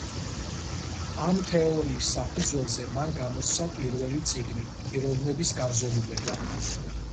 ამ თეორიის საფუძველზე მან გამოსცა პირველი წიგნი „პიროვნების განზომილება“.